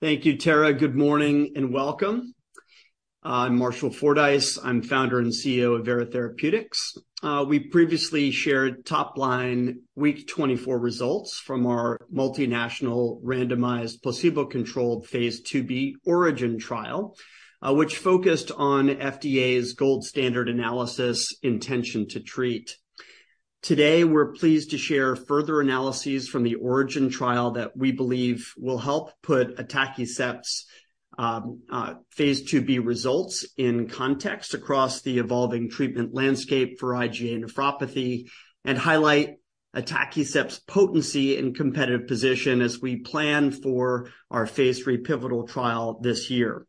Thank you, Tara. Good morning and welcome. I'm Marshall Fordyce. I'm founder and CEO of Vera Therapeutics. We previously shared top-line week 24 results from our multinational randomized placebo-controlled phase 2b ORIGIN trial, which focused on FDA's gold standard analysis intention to treat. Today, we're pleased to share further analyses from the ORIGIN trial that we believe will help put atacicept's phase 2b results in context across the evolving treatment landscape for IgA nephropathy and highlight atacicept's potency and competitive position as we plan for our phase 3 pivotal trial this year.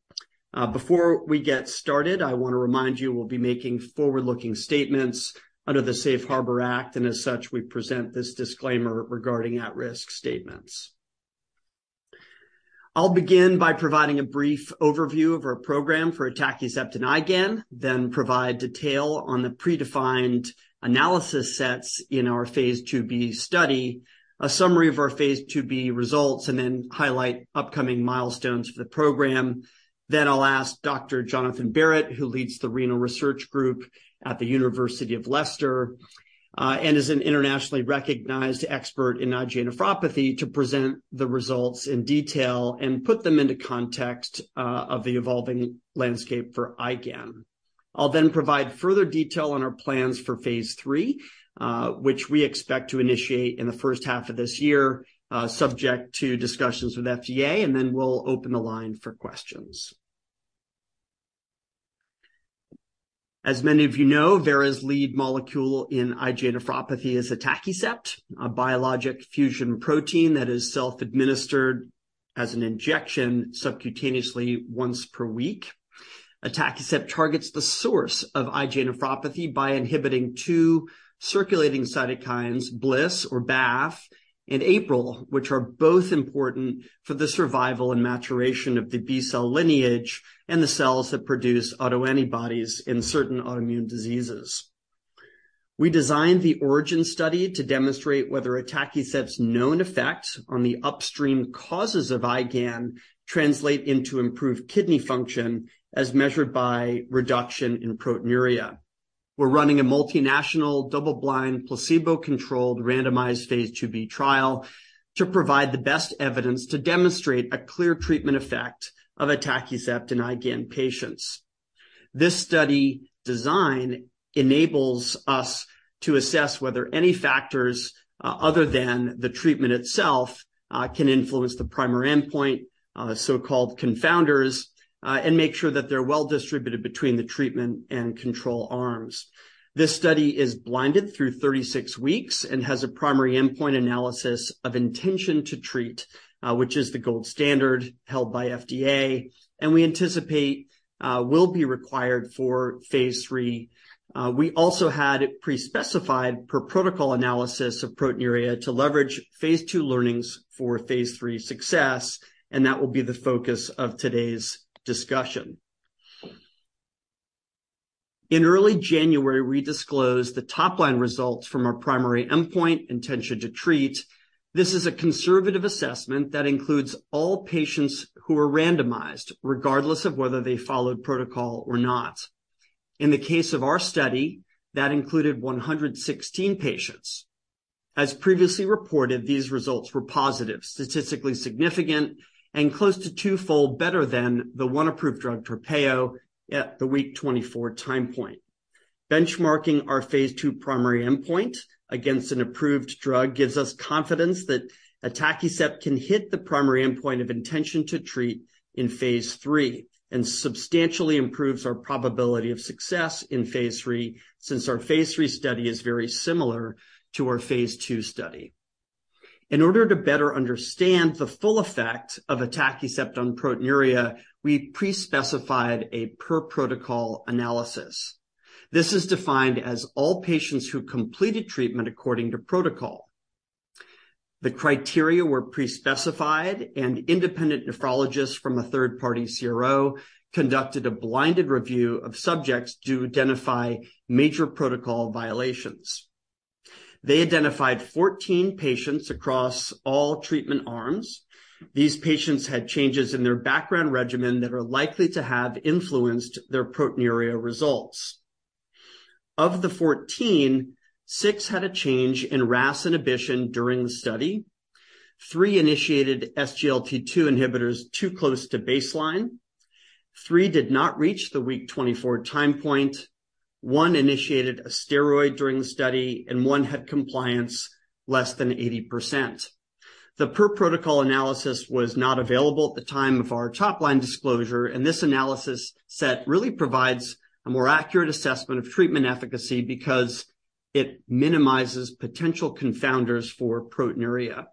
Before we get started, I wanna remind you we'll be making forward-looking statements under the Safe Harbor Act, and as such, we present this disclaimer regarding at-risk statements. I'll begin by providing a brief overview of our program for atacicept and IgAN, then provide detail on the predefined analysis sets in our phase 2b study, a summary of our phase 2b results, and then highlight upcoming milestones for the program. I'll ask Dr. Jonathan Barratt, who leads the renal research group at the University of Leicester, and is an internationally recognized expert in IgA nephropathy, to present the results in detail and put them into context of the evolving landscape for IgAN. I'll then provide further detail on our plans for phase 3, which we expect to initiate in the first half of this year, subject to discussions with FDA, and then we'll open the line for questions. As many of you know, Vera's lead molecule in IgA nephropathy is atacicept, a biologic fusion protein that is self-administered as an injection subcutaneously once per week. Atacicept targets the source of IgA nephropathy by inhibiting two circulating cytokines, BLyS or BAFF, and APRIL, which are both important for the survival and maturation of the B cell lineage and the cells that produce autoantibodies in certain autoimmune diseases. We designed the ORIGIN study to demonstrate whether atacicept's known effects on the upstream causes of IgAN translate into improved kidney function as measured by reduction in proteinuria. We are running a multinational double-blind placebo-controlled randomized phase two B trial to provide the best evidence to demonstrate a clear treatment effect of atacicept in IgAN patients. This study design enables us to assess whether any factors, other than the treatment itself, can influence the primary endpoint, so-called confounders, and make sure that they're well distributed between the treatment and control arms. This study is blinded through 36 weeks and has a primary endpoint analysis of intention to treat, which is the gold standard held by FDA, and we anticipate will be required for phase 3. We also had a pre-specified per protocol analysis of proteinuria to leverage phase 2 learnings for phase 3 success, and that will be the focus of today's discussion. In early January, we disclosed the top-line results from our primary endpoint, intention to treat. This is a conservative assessment that includes all patients who were randomized, regardless of whether they followed protocol or not. In the case of our study, that included 116 patients. As previously reported, these results were positive, statistically significant, and close to twofold better than the 1 approved drug, TARPEYO, at the week 24 time point. Benchmarking our phase 2 primary endpoint against an approved drug gives us confidence that atacicept can hit the primary endpoint of intention to treat in phase 3 and substantially improves our probability of success in phase 3 since our phase 3 study is very similar to our phase 2 study. In order to better understand the full effect of proteinuria, we pre-specified a per protocol analysis. This is defined as all patients who completed treatment according to protocol. The criteria were pre-specified. Independent nephrologists from a third-party CRO conducted a blinded review of subjects to identify major protocol violations. They identified 14 patients across all treatment arms. These patients had changes in their background regimen that are likely to have influenced their proteinuria results. Of the 14, six had a change in RAS inhibition during the study, three initiated SGLT2 inhibitors too close to baseline, three did not reach the week 24 time point, one initiated a steroid during the study, and one had compliance less than 80%. The per protocol analysis was not available at the time of our top-line disclosure. This analysis set really provides a more accurate assessment of treatment efficacy because it minimizes potential confounders for proteinuria.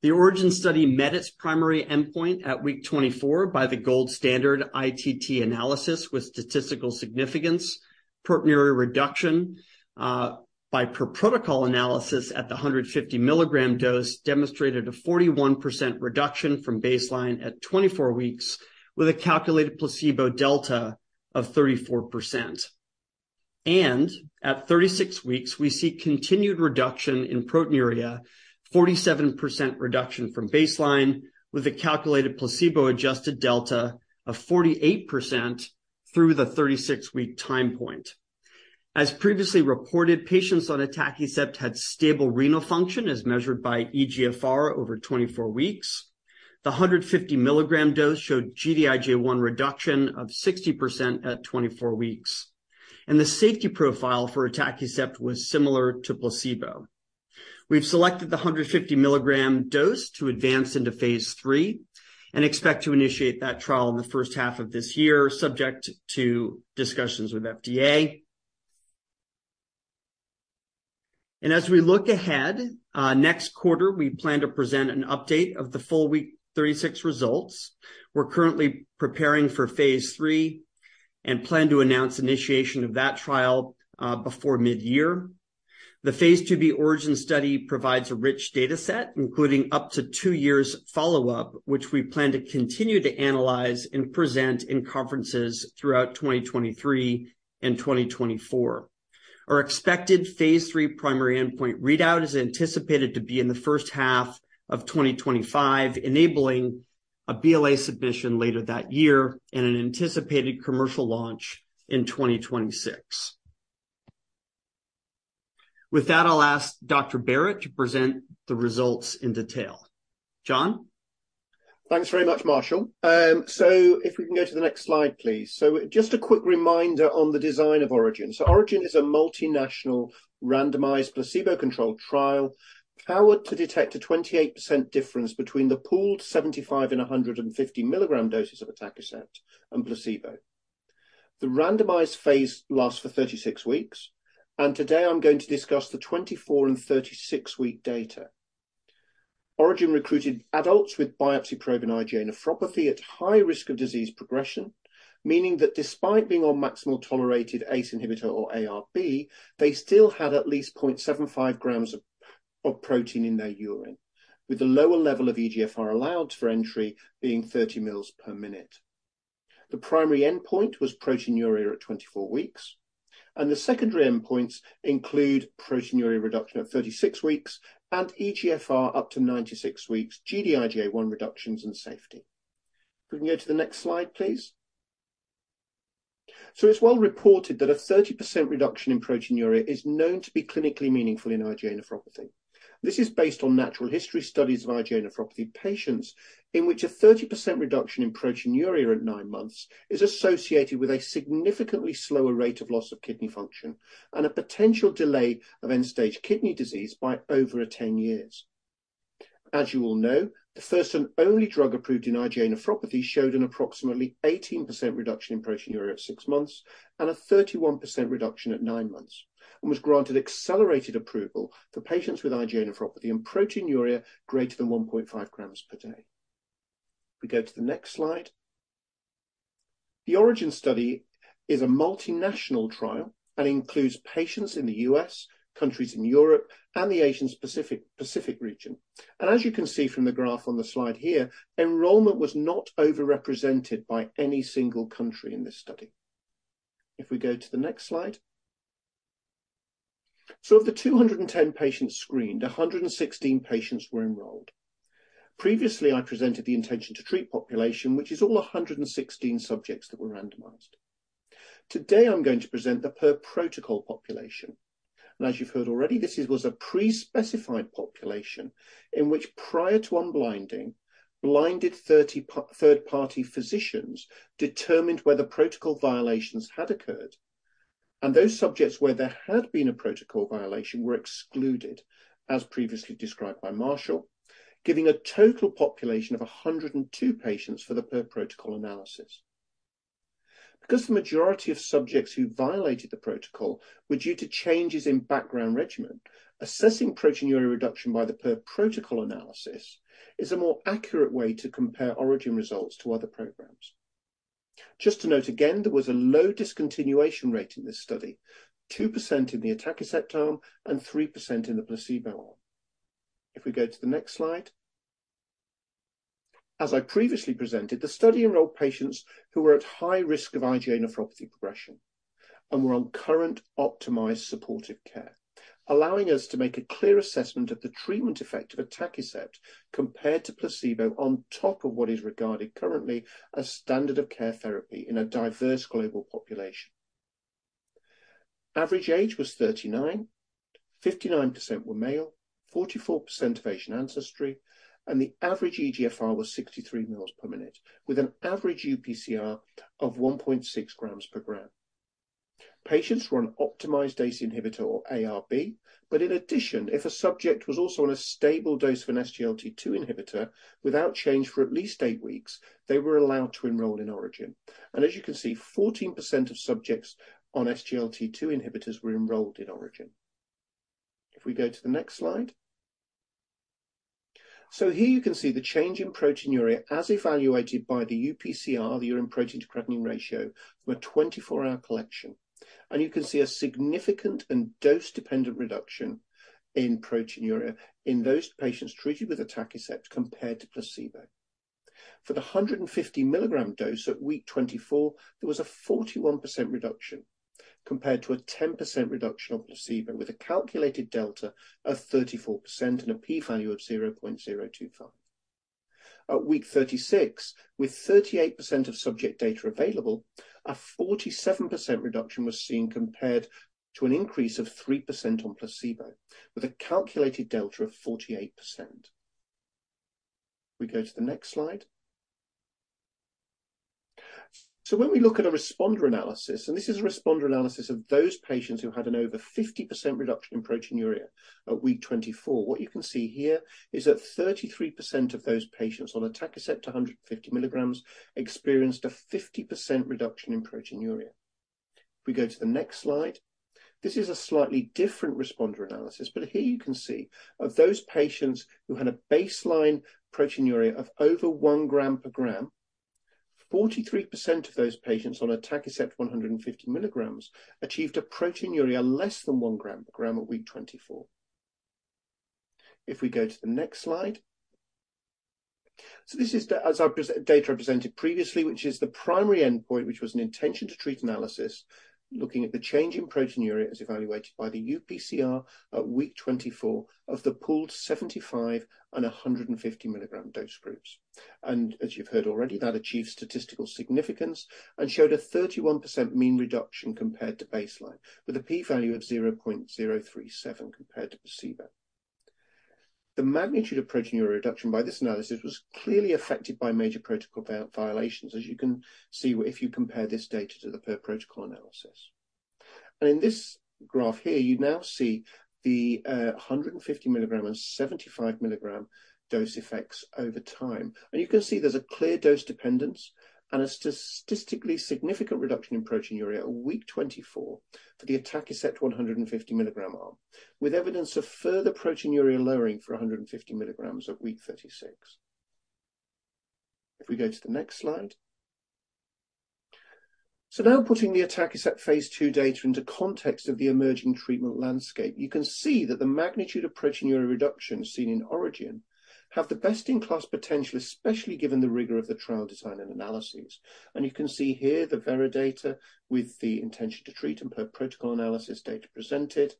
The ORIGIN study met its primary endpoint at week 24 by the gold standard ITT analysis with statistical significance. Proteinuria reduction by per protocol analysis at the 150 milligram dose demonstrated a 41% reduction from baseline at 24 weeks, with a calculated placebo delta of 34%. At 36 weeks, we see continued reduction in proteinuria, 47% reduction from baseline, with a calculated placebo-adjusted delta of 48% through the 36-week time point. As previously reported, patients on atacicept had stable renal function as measured by eGFR over 24 weeks. The 150 mg dose showed Gd-IgA1 reduction of 60% at 24 weeks. The safety profile for atacicept was similar to placebo. We've selected the 150 mg dose to advance into phase 3 and expect to initiate that trial in the first half of this year, subject to discussions with FDA. As we look ahead, next quarter, we plan to present an update of the full week 36 results. We're currently preparing for phase 3 and plan to announce initiation of that trial before mid-year. The phase 2b ORIGIN study provides a rich data set, including up to two years follow-up, which we plan to continue to analyze and present in conferences throughout 2023 and 2024. Our expected phase 3 primary endpoint readout is anticipated to be in the first half of 2025, enabling a BLA submission later that year and an anticipated commercial launch in 2026. With that, I'll ask Dr. Barritt to present the results in detail. John? Thanks very much, Marshall. Just a quick reminder on the design of ORIGIN. ORIGIN is a multinational randomized placebo-controlled trial powered to detect a 28% difference between the pooled 75 and 150 milligram doses of atacicept and placebo. The randomized phase lasts for 36 weeks, and today I'm going to discuss the 24 and 36 week data. ORIGIN recruited adults with biopsy-proven IgA nephropathy at high risk of disease progression, meaning that despite being on maximal tolerated ACE inhibitor or ARB, they still had at least 0.75 grams of protein in their urine, with the lower level of eGFR allowed for entry being 30 mils per minute. The primary endpoint was proteinuria at 24 weeks. The secondary endpoints include proteinuria reduction at 36 weeks and eGFR up to 96 weeks, Gd-IgA1 reductions and safety. Please? It's well reported that a 30% reduction in proteinuria is known to be clinically meaningful in IgA nephropathy. This is based on natural history studies of IgA nephropathy patients, in which a 30% reduction in proteinuria at nine months is associated with a significantly slower rate of loss of kidney function and a potential delay of end-stage kidney disease by over 10 years. As you all know, the first and only drug approved in IgA nephropathy showed an approximately 18% reduction in proteinuria at 6 months and a 31% reduction at 9 months, and was granted accelerated approval for patients with IgA nephropathy and proteinuria greater than 1.5 grams per day. If we go to the next slide. The ORIGIN study is a multinational trial and includes patients in the U.S., countries in Europe, and the Asian Pacific region. As you can see from the graph on the slide here, enrollment was not over-represented by any single country in this study. If we go to the next slide. Of the 210 patients screened, 116 patients were enrolled. Previously, I presented the intention to treat population, which is all 116 subjects that were randomized. Today, I'm going to present the per protocol population. As you've heard already, this was a pre-specified population in which prior to unblinding, blinded third-party physicians determined whether protocol violations had occurred. Those subjects where there had been a protocol violation were excluded, as previously described by Marshall, giving a total population of 102 patients for the per protocol analysis. Because the majority of subjects who violated the protocol were due to changes in background regimen, assessing proteinuria reduction by the per protocol analysis is a more accurate way to compare ORIGIN results to other programs. Just to note again, there was a low discontinuation rate in this study. 2% in the atacicept arm and 3% in the placebo arm. If we go to the next slide. As I previously presented, the study enrolled patients who were at high risk of IgA nephropathy progression and were on current optimized supportive care, allowing us to make a clear assessment of the treatment effect of atacicept compared to placebo on top of what is regarded currently as standard of care therapy in a diverse global population. Average age was 39, 59% were male, 44% of Asian ancestry, and the average eGFR was 63 mils per minute, with an average uPCR of 1.6 grams per gram. Patients were on optimized ACE inhibitor or ARB, but in addition, if a subject was also on a stable dose of an SGLT2 inhibitor without change for at least 8 weeks, they were allowed to enroll in ORIGIN. As you can see, 14% of subjects on SGLT2 inhibitors were enrolled in ORIGIN. If we go to the next slide. Here you can see the change in proteinuria as evaluated by the uPCR, the urine protein to creatinine ratio, from a 24 hour collection. You can see a significant and dose-dependent reduction in proteinuria in those patients treated with atacicept compared to placebo. For the 150 milligram dose at week 24, there was a 41% reduction compared to a 10% reduction on placebo, with a calculated delta of 34% and a P value of 0.025. At week 36, with 38% of subject data available, a 47% reduction was seen compared to an increase of 3% on placebo, with a calculated delta of 48%. We go to the next slide. When we look at a responder analysis, and this is a responder analysis of those patients who had an over 50% reduction in proteinuria at week 24, what you can see here is that 33% of those patients on atacicept 150 milligrams experienced a 50% reduction in proteinuria. If we go to the next slide. This is a slightly different responder analysis. Here you can see of those patients who had a baseline proteinuria of over 1 gram per gram, 43% of those patients on atacicept 150 milligrams achieved a proteinuria less than 1 gram per gram at week 24. If we go to the next slide. This is the data presented previously, which is the primary endpoint, which was an intention to treat analysis, looking at the change in proteinuria as evaluated by the uPCR at week 24 of the pooled 75 and 150 milligram dose groups. As you've heard already, that achieved statistical significance and showed a 31% mean reduction compared to baseline, with a P value of 0.037 compared to placebo. The magnitude of proteinuria reduction by this analysis was clearly affected by major protocol violations, as you can see if you compare this data to the per protocol analysis. In this graph here, you now see the 150 milligram and 75 milligram dose effects over time. You can see there's a clear dose dependence and a statistically significant reduction in proteinuria at week 24 for the atacicept 150 milligram arm, with evidence of further proteinuria lowering for 150 milligrams at week 36. If we go to the next slide. Now putting the atacicept phase 2 data into context of the emerging treatment landscape, you can see that the magnitude of proteinuria reduction seen in ORIGIN have the best-in-class potential, especially given the rigor of the trial design and analysis. You can see here the Vera data with the intention to treat and per protocol analysis data presented.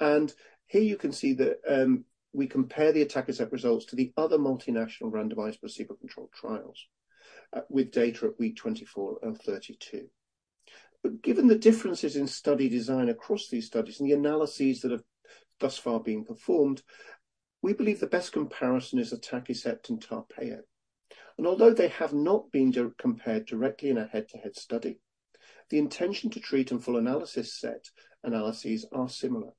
Here you can see that we compare the atacicept results to the other multinational randomized placebo-controlled trials, with data at week 24 and 32. Given the differences in study design across these studies and the analyses that have thus far been performed, we believe the best comparison is atacicept and TARPEYO. Although they have not been compared directly in a head-to-head study, the intention to treat and full analysis set analyses are similar.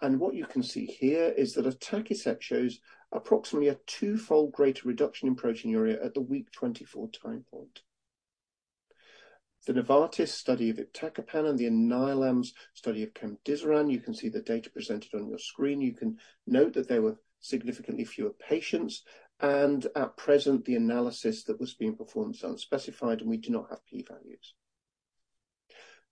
What you can see here is that atacicept shows approximately a 2-fold greater reduction in proteinuria at the week 24 time point. The Novartis study of iptacopan and the Alnylam study of cemdisiran, you can see the data presented on your screen. You can note that there were significantly fewer patients, and at present, the analysis that was being performed is unspecified, and we do not have P values.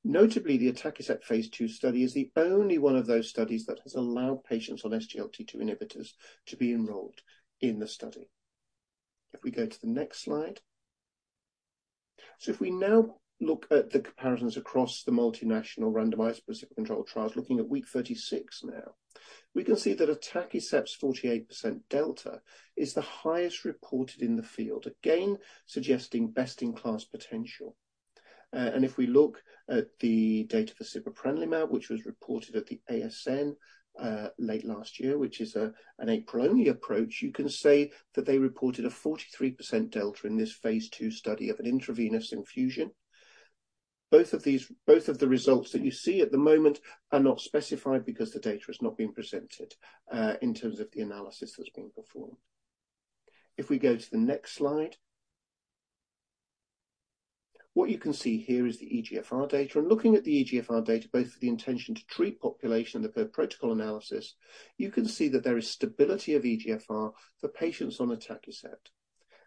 Notably, the atacicept phase 2 study is the only one of those studies that has allowed patients on SGLT2 inhibitors to be enrolled in the study. If we go to the next slide. If we now look at the comparisons across the multinational randomized placebo-controlled trials, looking at week 36 now, we can see that atacicept's 48% delta is the highest reported in the field, again, suggesting best in class potential. If we look at the data for sipaprenlimab, which was reported at the ASN late last year, which is an APRIL-only approach, you can say that they reported a 43% delta in this phase 2 study of an intravenous infusion. Both of the results that you see at the moment are not specified because the data has not been presented in terms of the analysis that's been performed. If we go to the next slide. What you can see here is the eGFR data. Looking at the eGFR data, both for the intention to treat population and the per-protocol analysis, you can see that there is stability of eGFR for patients on atacicept.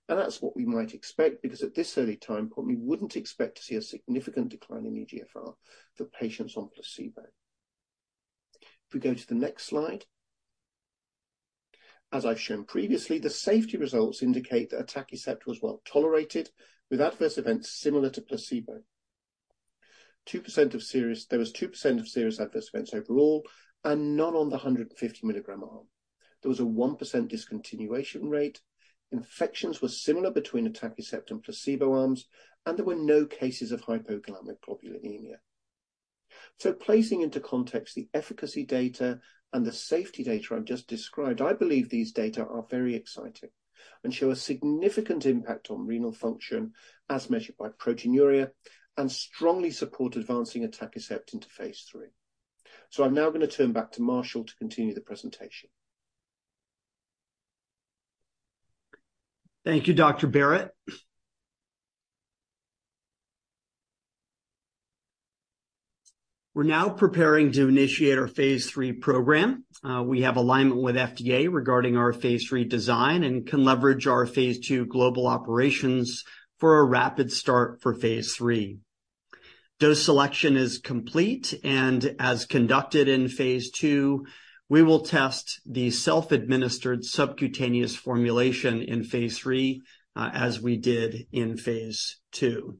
That's what we might expect, because at this early time point, we wouldn't expect to see a significant decline in eGFR for patients on placebo. If we go to the next slide. As I've shown previously, the safety results indicate that atacicept was well-tolerated, with adverse events similar to placebo. There was 2% of serious adverse events overall, and none on the 150 milligram arm. There was a 1% discontinuation rate. Infections were similar between atacicept and placebo arms, and there were no cases of hypogammaglobulinemia. Placing into context the efficacy data and the safety data I've just described, I believe these data are very exciting and show a significant impact on renal function as measured by proteinuria and strongly support advancing atacicept into phase three. I'm now going turn back to Marshall to continue the presentation. Thank you, Dr. Barritt. We're now preparing to initiate our phase three program. We have alignment with FDA regarding our phase three design and can leverage our phase two global operations for a rapid start for phase three. Dose selection is complete, and as conducted in phase two, we will test the self-administered subcutaneous formulation in phase three, as we did in phase two.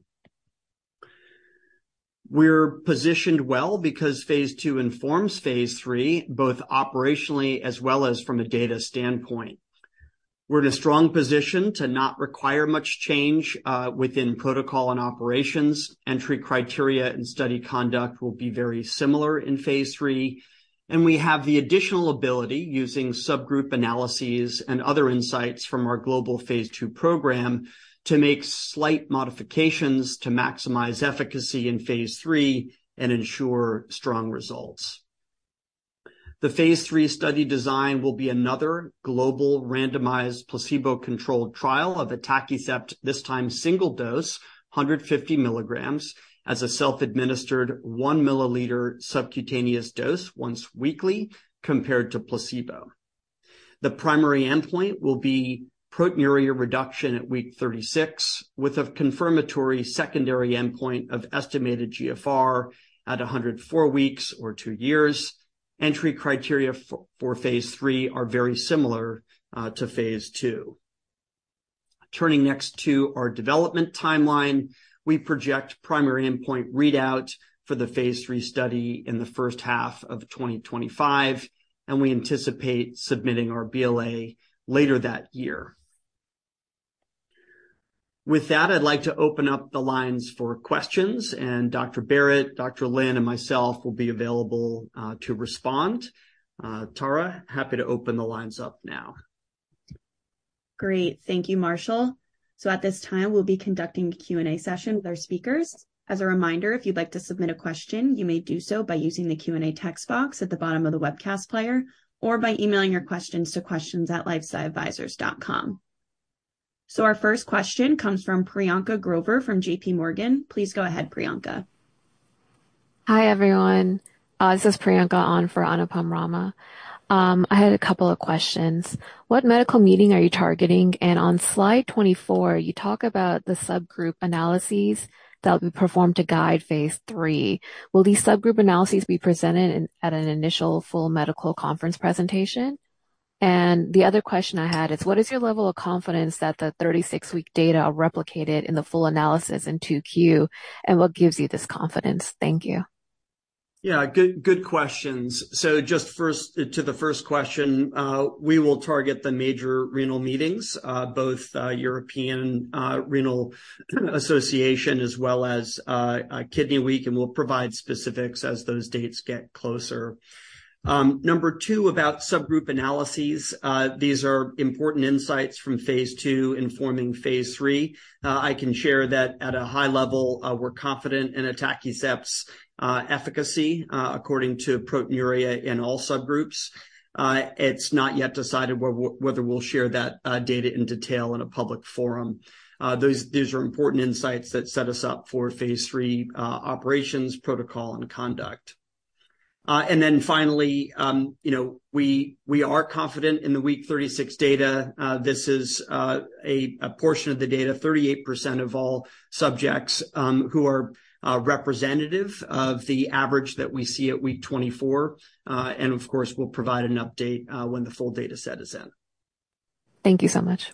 We're positioned well because phase two informs phase three, both operationally as well as from a data standpoint. We're in a strong position to not require much change within protocol and operations. Entry criteria and study conduct will be very similar in phase three, and we have the additional ability, using subgroup analyses and other insights from our global phase two program, to make slight modifications to maximize efficacy in phase three and ensure strong results. The phase 3 study design will be another global randomized placebo-controlled trial of atacicept, this time single dose, 150 milligrams as a self-administered 1 milliliter subcutaneous dose once weekly, compared to placebo. The primary endpoint will be proteinuria reduction at week 36, with a confirmatory secondary endpoint of estimated GFR at 104 weeks or 2 years. Entry criteria for phase 3 are very similar to phase 2. Turning next to our development timeline, we project primary endpoint readout for the phase 3 study in the first half of 2025, and we anticipate submitting our BLA later that year. With that, I'd like to open up the lines for questions, Dr. Barritt, Celia Lin, and myself will be available to respond. Tara, happy to open the lines up now. Hi, everyone. This is Priyanka on for Anupam Ramaa. I had a couple of questions. What medical meeting are you targeting? On slide 24, you talk about the subgroup analyses that will be performed to guide phase three. Will these subgroup analyses be presented at an initial full medical conference presentation? The other question I had is, what is your level of confidence that the 36-week data are replicated in the full analysis in 2Q, and what gives you this confidence? Thank you. Yeah, good questions. Just first, to the first question, we will target the major renal meetings, both European Renal Association as well as Kidney Week, and we'll provide specifics as those dates get closer. Number two, about subgroup analyses. These are important insights from phase 2 informing phase 3. I can share that at a high level, we're confident in atacicept's efficacy, according to proteinuria in all subgroups. It's not yet decided whether we'll share that data in detail in a public forum. Those, these are important insights that set us up for phase 3, operations, protocol, and conduct. Then finally, we are confident in the week 36 data. This is a portion of the data, 38% of all subjects, who are representative of the average that we see at week 24. Of course, we'll provide an update when the full data set is in. Thank you so much.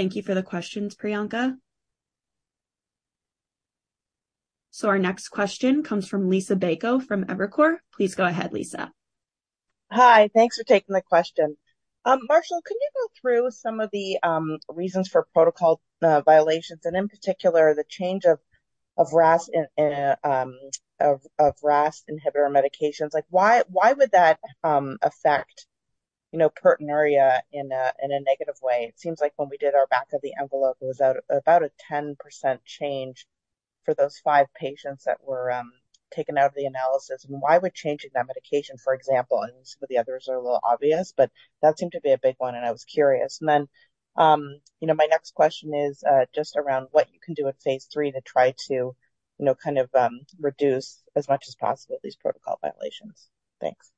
Hi. Thanks for taking the question. Marshall, can you go through some of the reasons for protocol violations, and in particular, the change of RAS inhibitor medications? Like, why would that affect, you know, proteinuria in a negative way? It seems like when we did our back of the envelope, it was at about a 10% change for those 5 patients that were taken out of the analysis. Why would changing that medication, for example, and some of the others are a little obvious, but that seemed to be a big one, and I was curious. You know, my next question is just around what you can do with phase 3 to try to, you know, kind of reduce as much as possible these protocol violations. Thanks.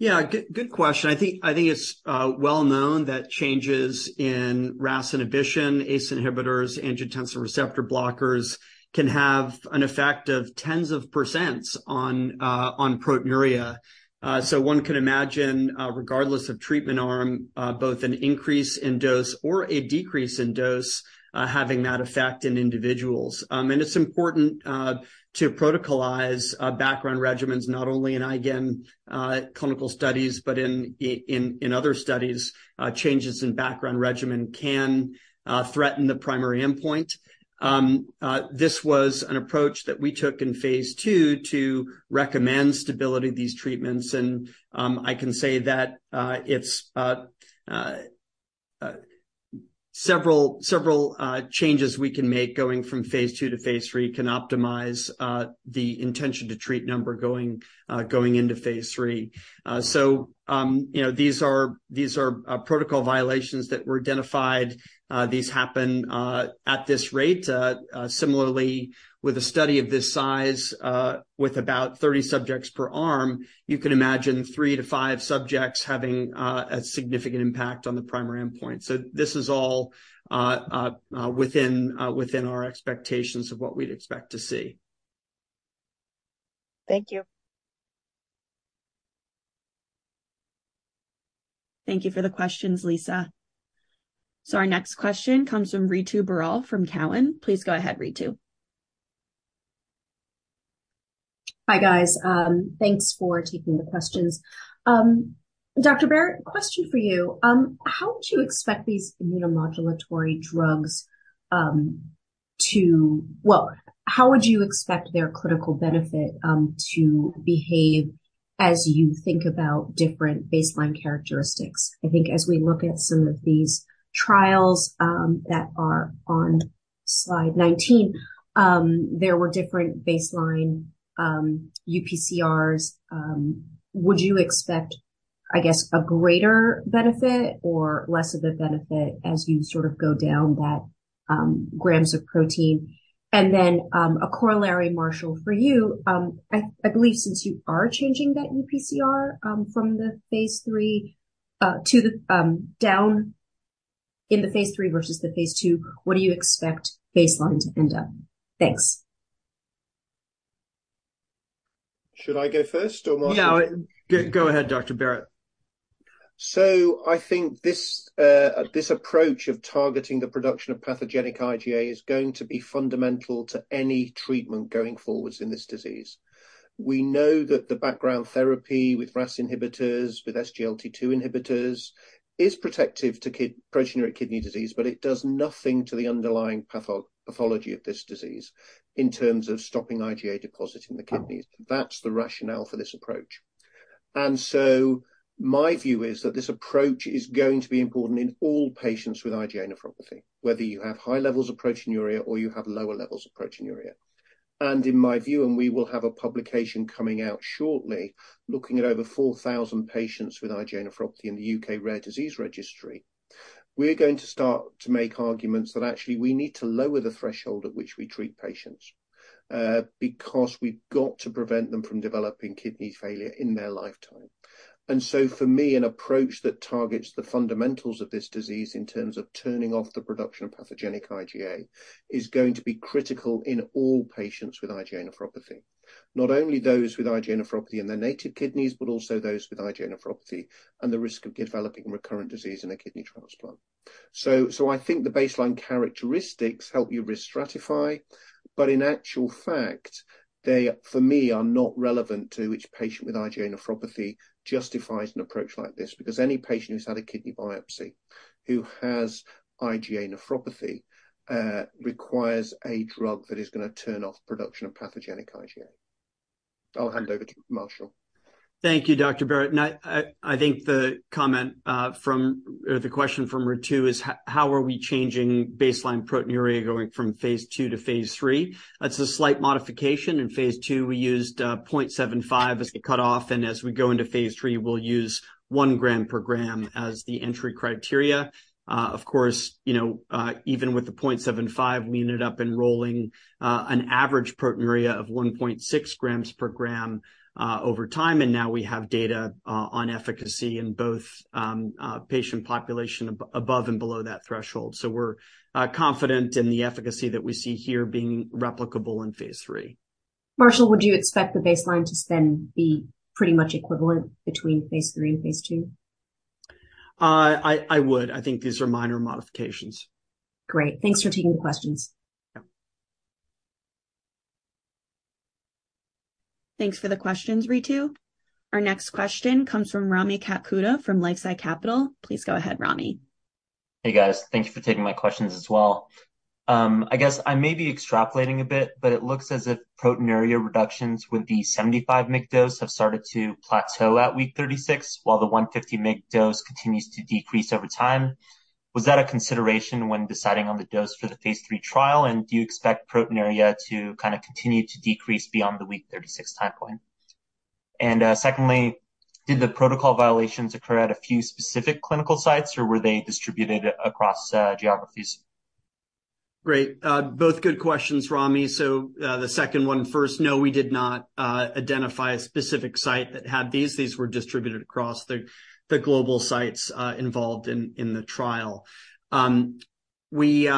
Good question. I think it's well known that changes in RAS inhibition, ACE inhibitors, angiotensin receptor blockers, can have an effect of tens of percents on proteinuria. One could imagine, regardless of treatment arm, both an increase in dose or a decrease in dose, having that effect in individuals. It's important to protocolize background regimens, not only in IgAN clinical studies, but in other studies, changes in background regimen can threaten the primary endpoint. This was an approach that we took in phase 2 to recommend stability of these treatments. I can say that it's several changes we can make going from phase 2 to phase 3 can optimize the intention to treat number going into phase 3. You know, these are protocol violations that were identified. These happen at this rate. Similarly with a study of this size, with about 30 subjects per arm, you can imagine 3 to 5 subjects having a significant impact on the primary endpoint. This is all within our expectations of what we'd expect to see. Thank you. Hi, Thanks for taking the questions. Dr. Barritt, question for you. How would you expect these immunomodulatory drugs to behave as you think about different baseline characteristics? I think as we look at some of these trials that are on slide 19, there were different baseline uPCRs. Would you expect, I guess, a greater benefit or less of a benefit as you sort of go down that grams of protein? A corollary, Marshall, for you. I believe since you are changing that uPCR from the phase 3 to the down in the phase 3 versus the phase 2, what do you expect baseline to end up? Thanks. Should I go first, or Marshall? No. Go ahead, Dr. Barrett. I think this approach of targeting the production of pathogenic IgA is going to be fundamental to any treatment going forwards in this disease. We know that the background therapy with RAS inhibitors, with SGLT2 inhibitors is protective to proteinuric kidney disease, but it does nothing to the underlying pathology of this disease in terms of stopping IgA depositing the kidneys. That's the rationale for this approach. My view is that this approach is going to be important in all patients with IgA nephropathy, whether you have high levels of proteinuria or you have lower levels of proteinuria. In my view, and we will have a publication coming out shortly, looking at over 4,000 patients with IgA nephropathy in the UK Rare Disease Registry. We're going to start to make arguments that actually we need to lower the threshold at which we treat patients because we've got to prevent them from developing kidney failure in their lifetime. For me, an approach that targets the fundamentals of this disease in terms of turning off the production of pathogenic IgA is going to be critical in all patients with IgA nephropathy. Not only those with IgA nephropathy in their native kidneys, but also those with IgA nephropathy and the risk of developing recurrent disease in a kidney transplant. I think the baseline characteristics help you risk stratify, but in actual fact, they, for me, are not relevant to which patient with IgA nephropathy justifies an approach like this. Any patient who's had a kidney biopsy who has IgA nephropathy requires a drug that is going turn off production of pathogenic IgA. I'll hand over to Marshall. Thank you, Dr. Barritt. I think the comment from or the question from Ritu is how are we changing baseline proteinuria going from phase 2 to phase 3? That's a slight modification. In phase 2, we used 0.75 as the cutoff, as we go into phase 3, we'll use 1 gram per gram as the entry criteria. Of course, you know, even with the 0.75, we ended up enrolling an average proteinuria of 1.6 grams per gram over time, now we have data on efficacy in both patient population above and below that threshold. We're confident in the efficacy that we see here being replicable in phase 3. Marshall, would you expect the baseline to then be pretty much equivalent between phase three and phase two? I would. I think these are minor modifications. Great. Thanks for taking the questions. Hey, guys. Thank you for taking my questions as well. I guess I may be extrapolating a bit, but it looks as if proteinuria reductions with the 75 mg dose have started to plateau at week 36, while the 150 mg dose continues to decrease over time. Was that a consideration when deciding on the dose for the phase 3 trial, and do you expect proteinuria to kind of continue to decrease beyond the week 36 time point? Secondly, did the protocol violations occur at a few specific clinical sites, or were they distributed across geographies? Great. Both good questions, Rami. The second one first. No, we did not identify a specific site that had these. These were distributed across the global sites involved in the trial. We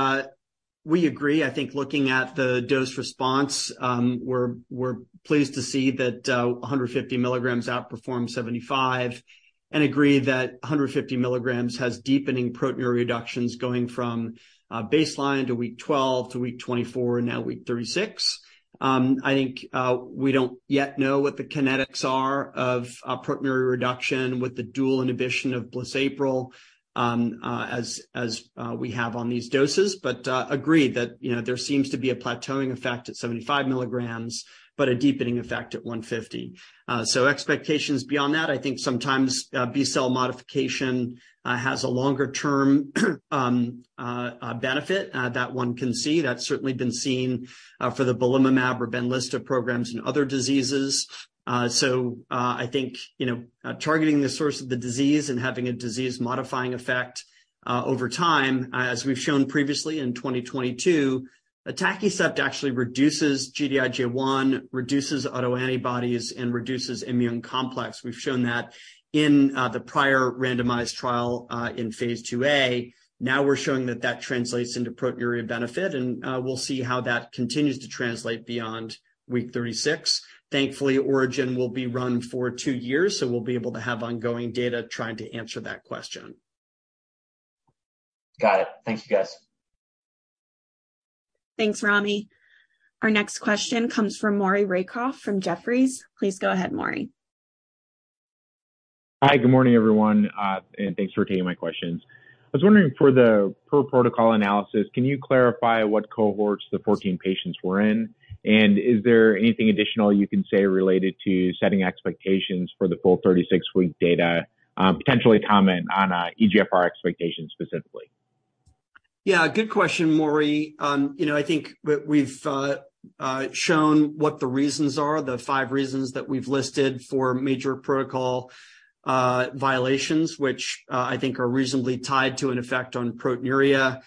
agree. I think looking at the dose response, we're pleased to see that 150 milligrams outperformed 75 and agree that 150 milligrams has deepening proteinuria reductions going from baseline to week 12 to week 24 and now week 36. I think We do not yet know what the kinetics areof a proteinuria reduction with the dual inhibition of blisapril, as we have on these doses. Agreed that, you know, there seems to be a plateauing effect at 75 milligrams, but a deepening effect at 150. Expectations beyond that, I think sometimes, B-cell modification has a longer-term benefit that one can see. That's certainly been seen for the belimumab or Benlysta of programs in other diseases. I think, you know, targeting the source of the disease and having a disease-modifying effect over time, as we've shown previously in 2022, atacicept actually reduces Gd-IgA1, reduces autoantibodies, and reduces immune complex. We've shown that in the prior randomized trial in phase 2A. Now we're showing that that translates into proteinuria benefit, and we'll see how that continues to translate beyond week 36. Thankfully, ORIGIN will be run for 2 years, so we'll be able to have ongoing data trying to answer that question. Thank you, guys. Hi, good morning, everyone. Thanks for taking my questions. I was wondering for the per protocol analysis, can you clarify what cohorts the 14 patients were in? Is there anything additional you can say related to setting expectations for the full 36-week data? Potentially comment on eGFR expectations specifically. Yeah, good question, Maury. you know, I think we've shown what the reasons are, the five reasons that we've listed for major protocol violations, which I think are reasonably tied to an effect on proteinuria.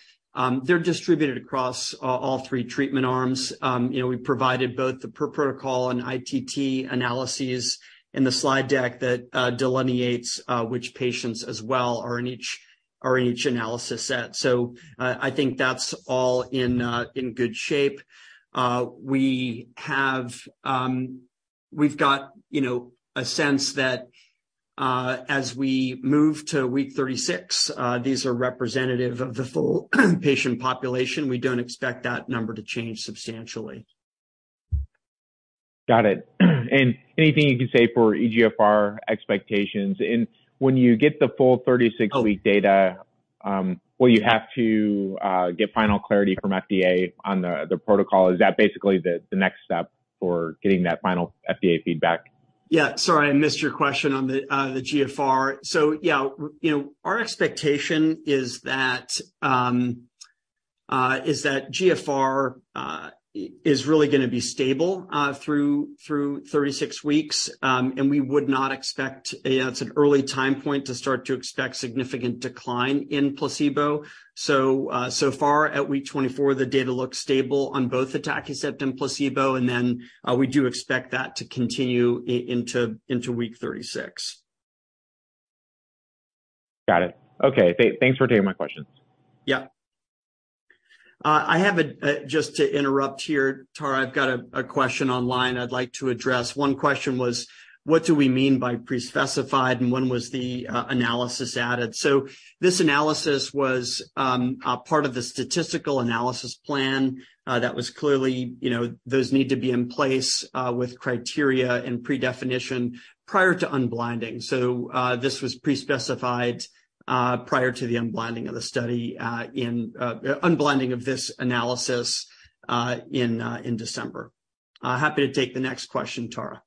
They're distributed across all three treatment arms. you know, we provided both the per protocol and ITT analyses in the slide deck that delineates which patients as well are in each analysis set. I think that's all in good shape. We've got, you know, a sense that as we move to week 36, these are representative of the full patient population. We don't expect that number to change substantially. Anything you can say for eGFR expectations? When you get the full 36-week data, will you have to get final clarity from FDA on the protocol? Is that basically the next step for getting that final FDA feedback? Sorry, I missed your question on the GFR. Yeah, you know, our expectation is that GFR is really going be stable through 36 weeks. We would not expect, you know, it's an early time point to start to expect significant decline in placebo. So far at week 24, the data looks stable on both atacicept and placebo, and then, we do expect that to continue into week 36. Okay. Thanks for taking my questions. Just to interrupt here, Tara, I've got a question online I'd like to address. One question was, what do we mean by pre-specified, and when was the analysis added? This analysis was a part of the statistical analysis plan that was clearly, you know, those need to be in place with criteria and predefinition prior to unblinding. This was pre-specified prior to the unblinding of the study in unblinding of this analysis in December. Happy to take the next question, Tara.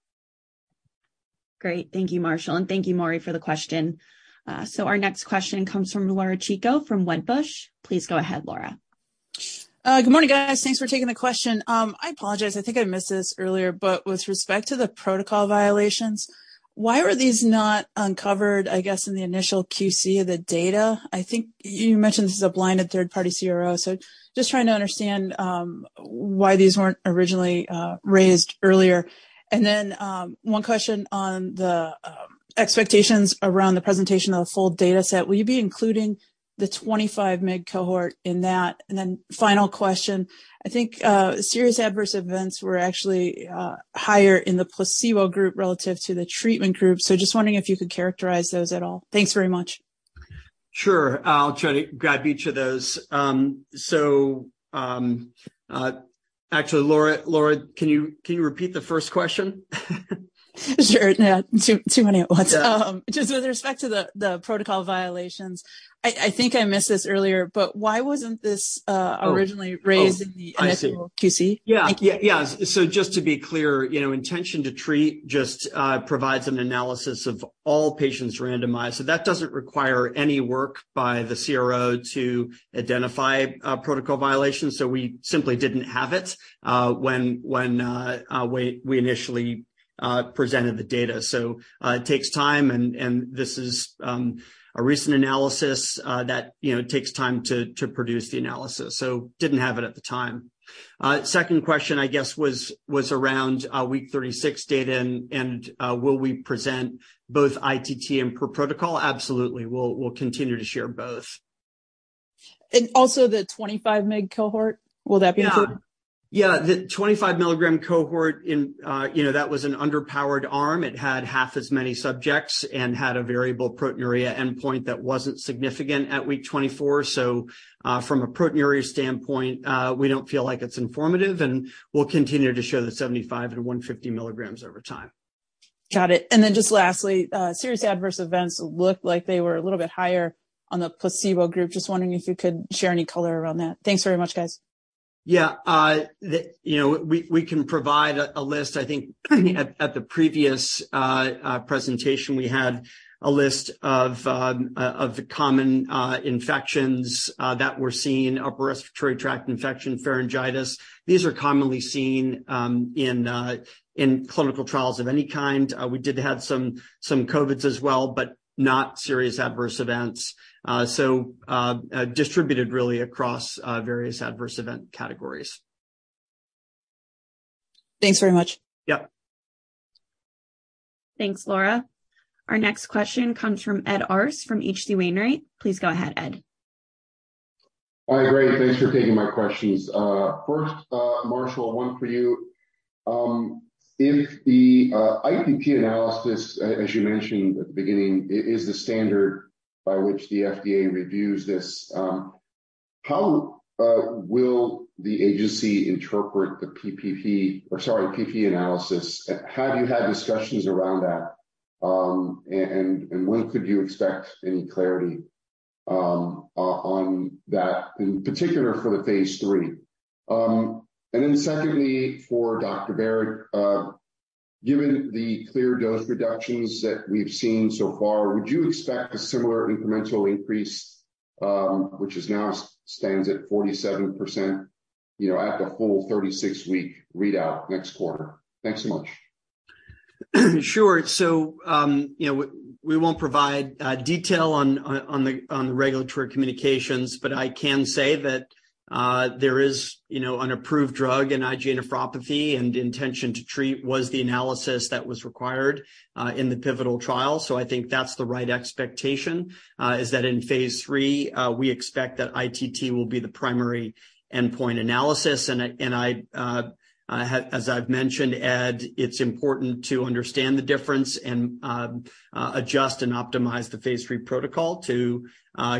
Good morning, guys. Thanks for taking the question. I apologize. I think I missed this earlier, but with respect to the protocol violations, why were these not uncovered, I guess, in the initial QC of the data? I think you mentioned this is a blinded third-party CRO. Just trying to understand why these weren't originally raised earlier. Then one question on the expectations around the presentation of the full data set. Will you be including the 25 mig cohort in that? Then final question, I think, serious adverse events were actually higher in the placebo group relative to the treatment group. Just wondering if you could characterize those at all. Thanks very much. Sure. I'll try to grab each of those. actually, Laura, can you repeat the first question? Sure. Too many at once. Just with respect to the protocol violations, I think I missed this earlier, but why wasn't this? Originally raised in the initial QC? ...in the initial Q.C.? Thank you. Just to be clear, you know, intention to treat just provides an analysis of all patients randomized. That doesn't require any work by the CRO to identify a protocol violation. We simply didn't have it when we initially presented the data. It takes time and this is a recent analysis that, you know, takes time to produce the analysis. Didn't have it at the time. Second question, I guess, was around week 36 data and will we present both ITT and per protocol? Absolutely. We'll continue to share both. Also the 25 mg cohort, will that be included? The 25 milligram cohort in, you know, that was an underpowered arm. It had half as many subjects and had a variable proteinuria endpoint that wasn't significant at week 24. From a proteinuria standpoint, we don't feel like it's informative, and we'll continue to show the 75 and 150 milligrams over time. Just lastly, serious adverse events looked like they were a little bit higher on the placebo group. Just wondering if you could share any color around that. Thanks very much, guys. You know, we can provide a list. I think at the previous presentation, we had a list of the common infections that we're seeing, upper respiratory tract infection, pharyngitis. These are commonly seen in clinical trials of any kind. We did have some COVIDs as well, but not serious adverse events, distributed really across various adverse event categories. Thanks very much. All right, great. Thanks for taking my questions. First, Marshall, one for you. If the ITT analysis, as you mentioned at the beginning, is the standard by which the FDA reviews this, how will the agency interpret the Per-protocol analysis? Have you had discussions around that? When could you expect any clarity on that, in particular for the phase three? Secondly, for Dr. Barritt, given the clear dose reductions that we've seen so far, would you expect a similar incremental increase, which is now stands at 47%, you know, at the full 36-week readout next quarter? Thanks so much. Sure. You know, we won't provide detail on the regulatory communications, but I can say that there is, you know, an approved drug in IgA nephropathy, and intention to treat was the analysis that was required in the pivotal trial. I think that's the right expectation, is that in phase 3, we expect that ITT will be the primary endpoint analysis. I, and I have... As I've mentioned, Ed, it's important to understand the difference and adjust and optimize the phase 3 protocol to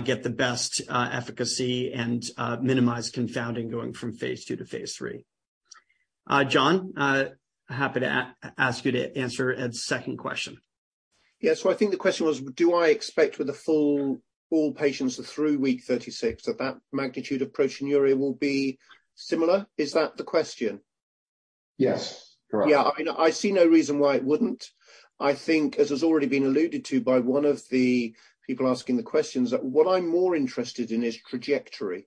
get the best efficacy and minimize confounding going from phase 2 to phase 3. John, happy to ask you to answer Ed's second question. I think the question was, do I expect with the full patients through week 36 that magnitude of proteinuria will be similar? Is that the question? Yes. Correct. I mean, I see no reason why it wouldn't. I think, as has already been alluded to by one of the people asking the questions, that what I'm more interested in is trajectory.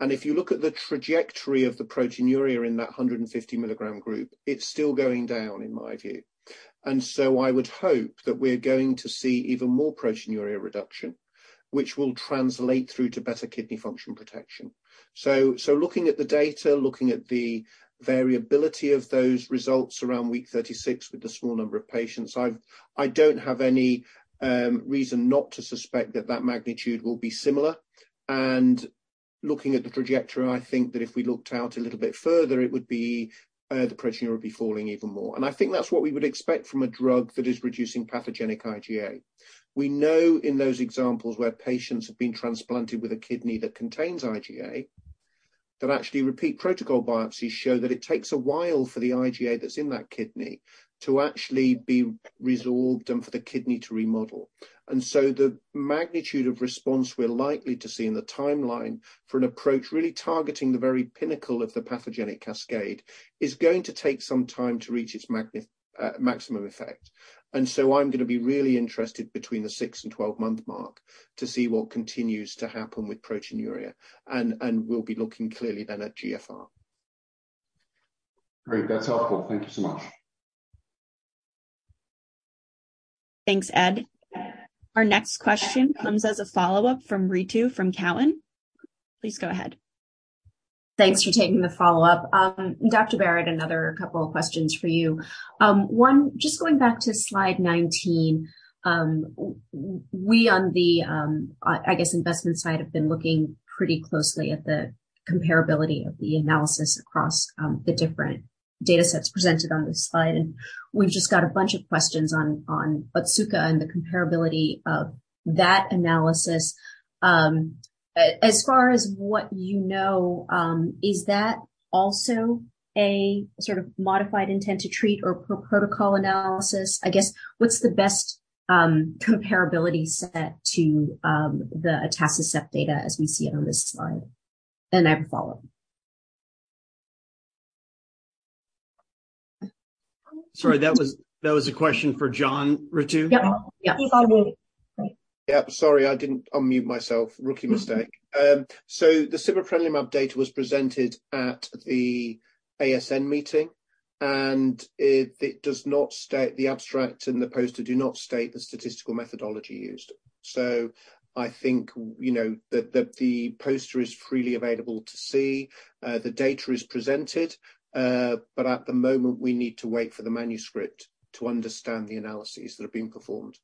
If you look at the trajectory of the proteinuria in that 150 milligram group, it's still going down in my view. I would hope that we're going to see even more proteinuria reduction, which will translate through to better kidney function protection. Looking at the data, looking at the variability of those results around week 36 with the small number of patients, I don't have any reason not to suspect that that magnitude will be similar. Looking at the trajectory, I think that if we looked out a little bit further, it would be, the proteinuria would be falling even more. I think that's what we would expect from a drug that is reducing pathogenic IgA. We know in those examples where patients have been transplanted with a kidney that contains IgA, that actually repeat protocol biopsies show that it takes a while for the IgA that's in that kidney to actually be resolved and for the kidney to remodel. The magnitude of response we're likely to see in the timeline for an approach really targeting the very pinnacle of the pathogenic cascade is going to take some time to reach its maximum effect. I'm going be really interested between the 6 and 12-month mark to see what continues to happen with proteinuria. We'll be looking clearly then at GFR. Great. That's helpful. Thank you so much. Thanks for taking the follow-up. Dr. Barritt, another couple of questions for you. One, just going back to slide 19, we on the, I guess, investment side have been looking pretty closely at the comparability of the analysis across the different data sets presented on this slide, and we've just got a bunch of questions on Otsuka and the comparability of that analysis. As far as what you know, is that also a sort of modified intent to treat or per-protocol analysis? I guess, what's the best comparability set to the atacicept data as we see it on this slide? I have a follow-up. Sorry, that was a question for John, Ritu? Sorry, I didn't unmute myself. The sibeprenlimab data was presented at the ASN meeting, and the abstract and the poster do not state the statistical methodology used. I think, you know, the poster is freely available to see, the data is presented, at the moment we need to wait for the manuscript to understand the analyses that have been performed.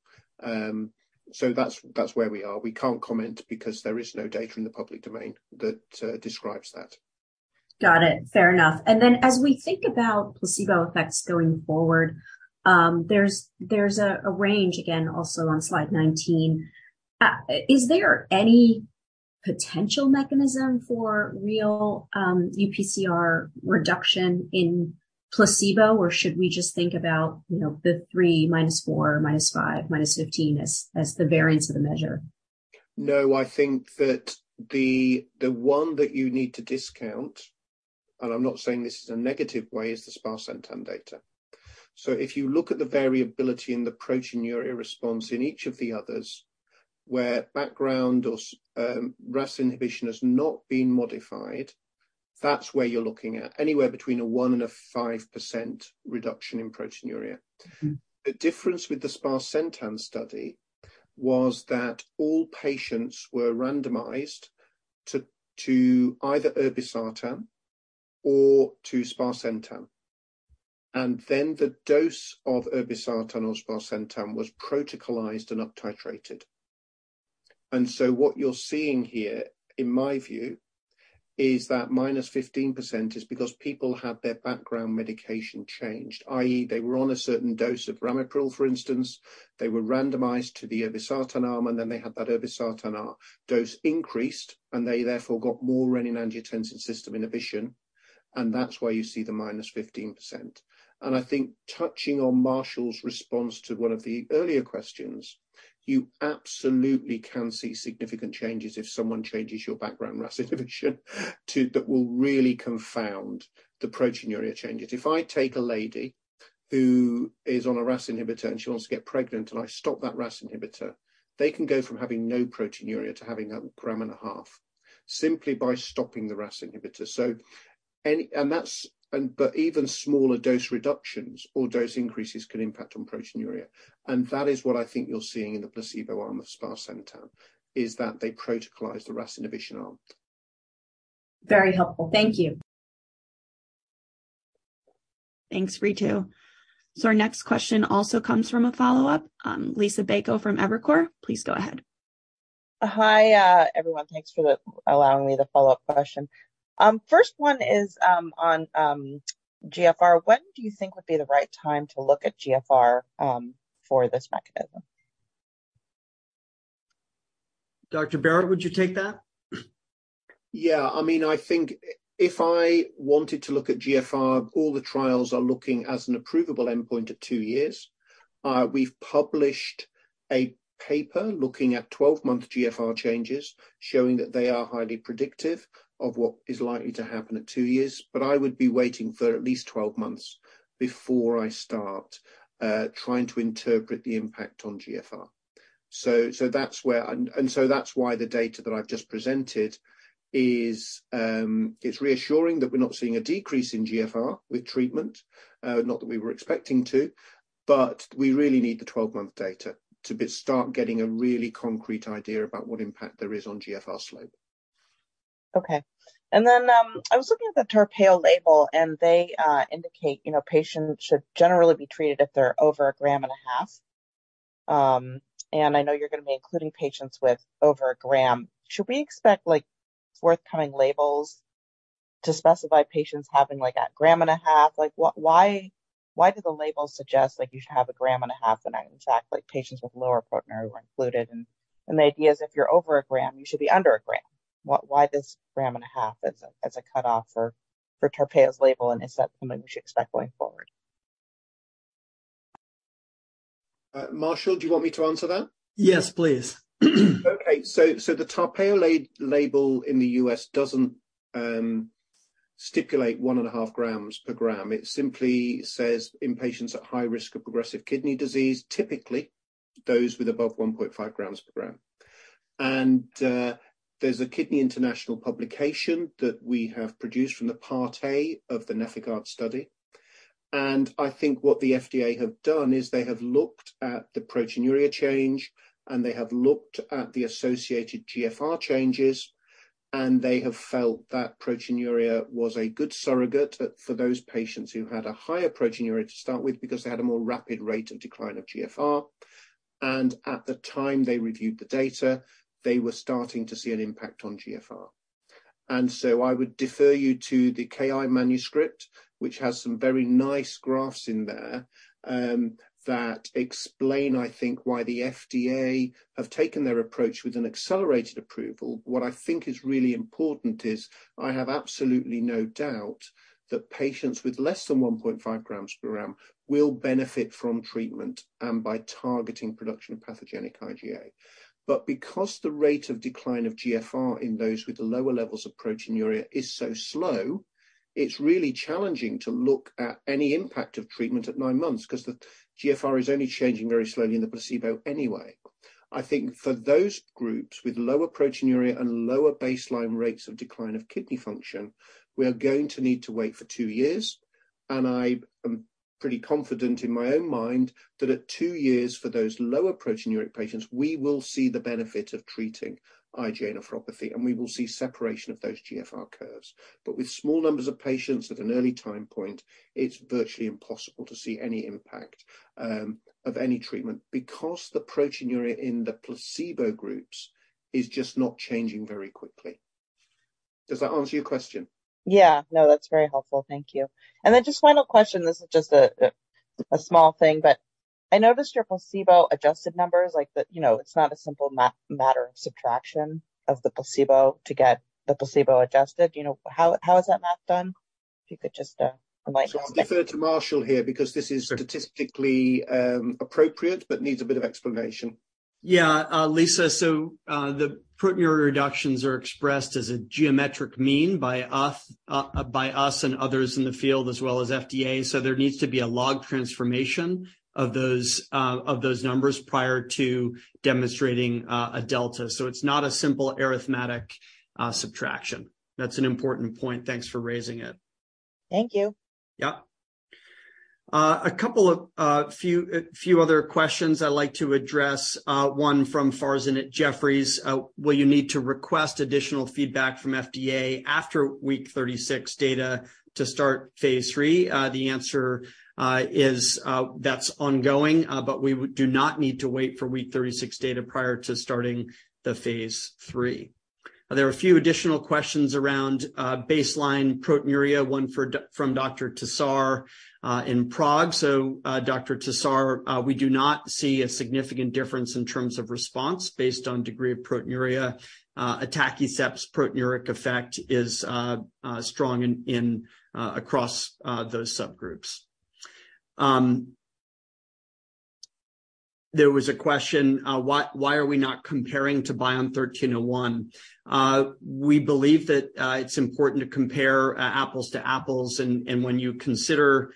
That's where we are. We can't comment because there is no data in the public domain that describes that. Fair enough. As we think about placebo effects going forward, there's a range again also on slide 19. Is there any potential mechanism for real uPCR reduction in placebo, or should we just think about, you know, the 3 minus 4, minus 5, minus 15 as the variance of the measure? No, I think that the one that you need to discount, and I'm not saying this as a negative way, is the sparsentan data. If you look at the variability in the proteinuria response in each of the others, where background or RAS inhibition has not been modified, that's where you're looking at anywhere between a 1% and a 5% reduction in proteinuria. Mm-hmm. The difference with the sparsentan study was that all patients were randomized to either irbesartan or to sparsentan, and then the dose of irbesartan or sparsentan was protocolized and uptitrated. What you're seeing here, in my view, is that -15% is because people had their background medication changed, i.e., they were on a certain dose of ramipril, for instance. They were randomized to the irbesartan arm, and then they had that irbesartan dose increased, and they therefore got more renin-angiotensin system inhibition, and that's why you see the -15%. I think touching on Marshall's response to one of the earlier questions, you absolutely can see significant changes if someone changes your background RAS inhibition that will really confound the proteinuria changes. If I take a lady who is on a RAS inhibitor, and she wants to get pregnant, and I stop that RAS inhibitor, they can go from having no proteinuria to having a gram and a half simply by stopping the RAS inhibitor. Even smaller dose reductions or dose increases can impact on proteinuria. That is what I think you're seeing in the placebo arm of sparsentan, is that they protocolized the RAS inhibition arm. Very helpful. Thank you. Hi, everyone. Thanks for allowing me the follow-up question. First one is on GFR. When do you think would be the right time to look at GFR for this mechanism? Dr. Barrett, would you take that? I mean, I think if I wanted to look at GFR, all the trials are looking as an approvable endpoint at 2 years. We've published a paper looking at 12-month GFR changes, showing that they are highly predictive of what is likely to happen at 2 years. I would be waiting for at least 12 months before I start trying to interpret the impact on GFR. That's where and that's why the data that I've just presented is it's reassuring that we're not seeing a decrease in GFR with treatment, not that we were expecting to, but we really need the 12-month data to start getting a really concrete idea about what impact there is on GFR slope. Okay. Then, I was looking at the TARPEYO label, and they indicate, you know, patients should generally be treated if they're over a gram and a half. I know you're going be including patients with over a gram. Should we expect, like, forthcoming labels to specify patients having, like, a gram and a half? Like, why do the labels suggest, like, you should have a gram and a half, and in fact, like, patients with lower proteinuria were included, and the idea is if you're over a gram, you should be under a gram. Why this gram and a half as a cutoff for TARPEYO's label, and is that something we should expect going forward? Marshall, do you want to me answer that? Yes, please. Okay. The TARPEYO label in the U.S. doesn't stipulate 1.5 grams per gram. It simply says in patients at high risk of progressive kidney disease, typically those with above 1.5 grams per gram. There's a Kidney International publication that we have produced from the Part A of the NefIgArd study. I think what the FDA have done is they have looked at the proteinuria change, and they have looked at the associated GFR changes, and they have felt that proteinuria was a good surrogate for those patients who had a higher proteinuria to start with because they had a more rapid rate of decline of GFR. At the time they reviewed the data, they were starting to see an impact on GFR. I would defer you to the KI manuscript, which has some very nice graphs in there, that explain, I think, why the FDA have taken their approach with an accelerated approval. What I think is really important is I have absolutely no doubt that patients with less than 1.5 grams per gram will benefit from treatment, and by targeting production of pathogenic IgA. Because the rate of decline of GFR in those with the lower levels of proteinuria is so slow, it's really challenging to look at any impact of treatment at nine months 'cause the GFR is only changing very slowly in the placebo anyway. I think for those groups with lower proteinuria and lower baseline rates of decline of kidney function, we are going to need to wait for two years, and I am pretty confident in my own mind that at two years, for those lower proteinuria patients, we will see the benefit of treating IgA nephropathy, and we will see separation of those GFR curves. With small numbers of patients at an early time point, it's virtually impossible to see any impact of any treatment because the proteinuria in the placebo groups is just not changing very quickly. Does that answer your question? No, that's very helpful. Thank you. Just final question, this is just a small thing, but I noticed your placebo-adjusted numbers like the... you know, it's not a simple matter of subtraction of the placebo to get the placebo-adjusted. You know, how is that math done? If you could just enlighten us. I'll defer to Marshall here because this is statistically appropriate, but needs a bit of explanation. Yeah, Lisa. The proteinuria reductions are expressed as a geometric mean by us and others in the field as well as FDA. There needs to be a log transformation of those numbers prior to demonstrating a delta. It's not a simple arithmetic subtraction. That's an important point. Thanks for raising it. Thank you. A couple of few other questions I'd like to address, one from Farzin at Jefferies. Will you need to request additional feedback from FDA after week 36 data to start phase 3? The answer is that's ongoing, but we do not need to wait for week 36 data prior to starting the phase 3. There are a few additional questions around baseline proteinuria, one from Dr. Tesař in Prague. Dr. Tesař, we do not see a significant difference in terms of response based on degree of proteinuria. Atacicept's proteinuria effect is strong in across those subgroups. There was a question, why are we not comparing to BION-1301? We believe that it's important to compare apples to apples when you consider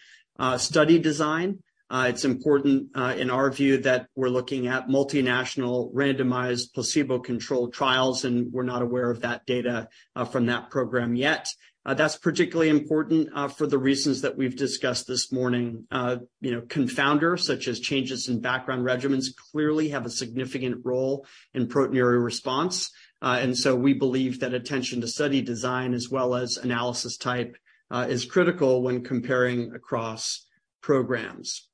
study design, it's important in our view, that we're looking at multinational randomized placebo-controlled trials, and we're not aware of that data from that program yet. That's particularly important for the reasons that we've discussed this morning. You know, confounders such as changes in background regimens clearly have a significant role in proteinuria response. We believe that attention to study design as well as analysis type is critical when comparing across programs.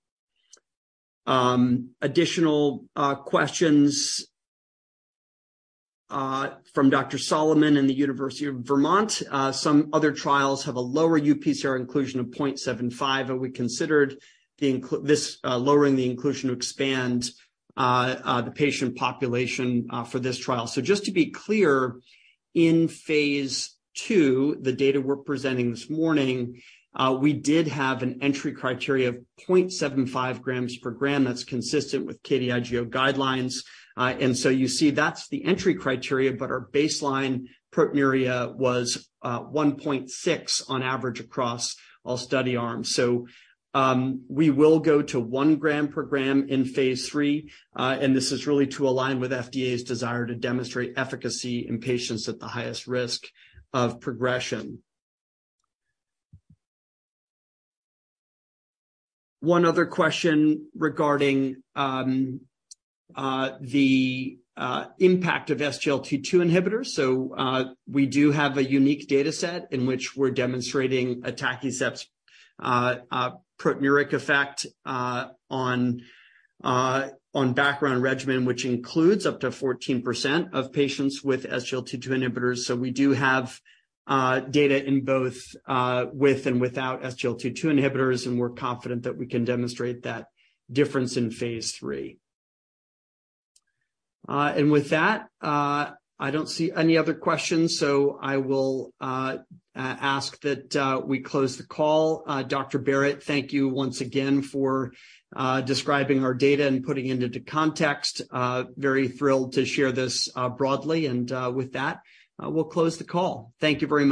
Additional questions from Dr. Solomon in the University of Vermont. Some other trials have a lower uPCR inclusion of 0.75. We considered lowering the inclusion to expand the patient population for this trial. Just to be clear, in phase two, the data we're presenting this morning, we did have an entry criteria of 0.75 grams per gram that's consistent with KDIGO guidelines. You see that's the entry criteria, but our baseline proteinuria was 1.6 on average across all study arms. We will go to one gram per gram in phase three, and this is really to align with FDA's desire to demonstrate efficacy in patients at the highest risk of progression. One other question regarding the impact of SGLT2 inhibitors. We do have a unique data set in which we're demonstrating atacicept's proteinuria effect on background regimen, which includes up to 14% of patients with SGLT2 inhibitors. We do have data in both with and without SGLT2 inhibitors, and we're confident that we can demonstrate that difference in phase three. With that, I don't see any other questions, so I will ask that we close the call. Dr. Barrett, thank you once again for describing our data and putting it into context. Very thrilled to share this broadly. This can remain because it is a speaker closing statement.